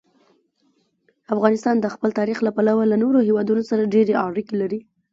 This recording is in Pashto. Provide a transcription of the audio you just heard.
افغانستان د خپل تاریخ له پلوه له نورو هېوادونو سره ډېرې اړیکې لري.